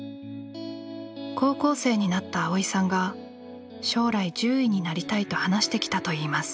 高校生になった蒼依さんが将来獣医になりたいと話してきたといいます。